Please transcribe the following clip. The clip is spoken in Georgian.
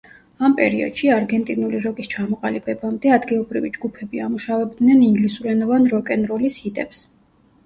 ამ პერიოდში, არგენტინული როკის ჩამოყალიბებამდე, ადგილობრივი ჯგუფები ამუშავებდნენ ინგლისურენოვან როკ-ენ-როლის ჰიტებს.